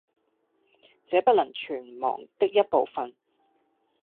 這不能全忘的一部分，